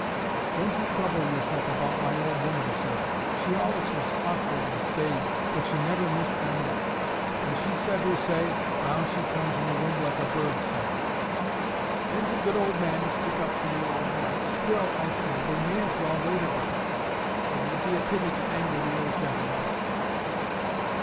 "Don't you trouble yourself about my old 'oman, sir. She allus was awk'ard in stays, but she never missed them yet. When she's said her say, round she comes in the wind like a bird, sir." "There's a good old man to stick up for your old wife! Still, I say, they may as well wait a bit. It would be a pity to anger the old gentleman."